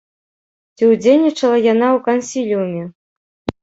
Ці ўдзельнічала яна ў кансіліуме?